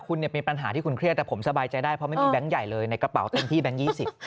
คุณเนี่ยมีปัญหาที่คุณเครียดแต่ผมสบายใจได้เพราะไม่มีแบงค์ใหญ่เลยในกระเป๋าเต็มที่แก๊งยี่สิบ